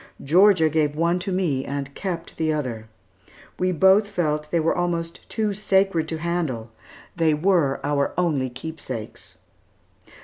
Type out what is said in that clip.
Georgia gave one to me and kept the other. We both felt that they were almost too sacred to handle. They were our only keepsakes.